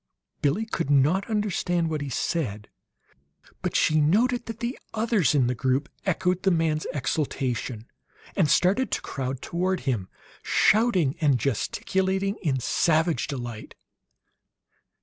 Billie could not understand what he said; but she noted that the others in the group echoed the man's exultation, and started to crowd toward him, shouting and gesticulating in savage delight.